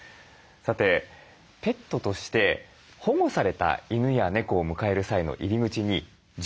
さてペットとして保護された犬や猫を迎える際の入り口に譲渡会があります。